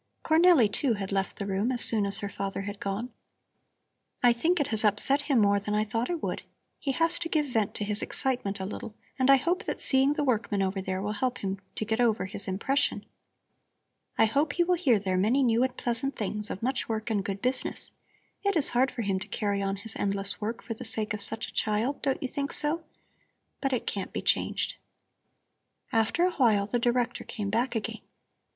Cornelli, too, had left the room as soon as her father had gone. "I think it has upset him more than I thought it would. He has to give vent to his excitement a little, and I hope that seeing the workmen over there will help him to get over his impression. I hope he will hear there many new and pleasant things of much work and good business. It is hard for him to carry on his endless work for the sake of such a child, don't you think so? But it can't be changed." After a while the Director came back again.